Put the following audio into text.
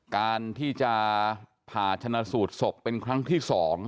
การที่จะผ่าชนะสูตรศพเป็นครั้งที่๒